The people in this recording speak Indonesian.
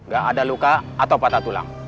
gak ada luka atau patah tulang